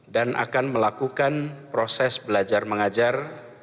dan akan melakukan proses belajar mengajar